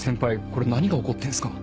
これ何が起こってるんですか？